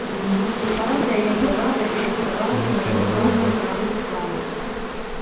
Партыя як была, так і засталася на радыкальным правым флангу.